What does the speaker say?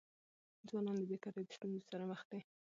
ځوانان د بېکاری د ستونزي سره مخ دي.